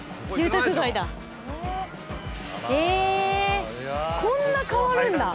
へぇこんな変わるんだ。